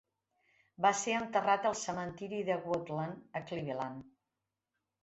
Va ser enterrat al cementiri de Woodland a Cleveland.